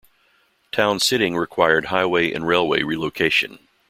Town sitting required highway and railway relocation.